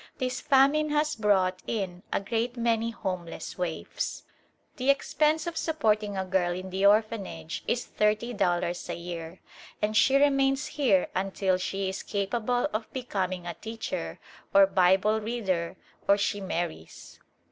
This famine has brought in a great many homeless waifs. The expense of supporting a girl in the Orphanage is thirty dollars (^30) a year, and she remains here until she is capable of becoming a teacher or Bible reader or she marries.